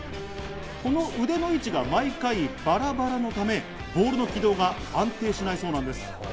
この腕の位置が毎回バラバラのため、ボールの軌道が安定しないそうなんです。